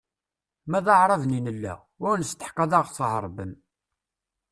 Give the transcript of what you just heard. Ma d Aɛraben i nella, ur nesteḥq ad aɣ-tɛerbem.